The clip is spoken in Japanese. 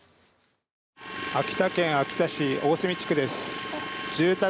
秋田県秋田市大住地区です。